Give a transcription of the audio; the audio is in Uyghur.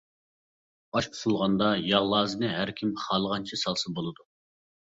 ئاش ئۇسۇلغاندا ياغ لازىنى ھەر كىم خالىغانچە سالسا بولىدۇ.